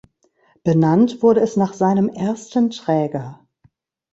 Benannt wurde es nach seinem ersten Träger.